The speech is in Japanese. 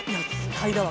買いだわ。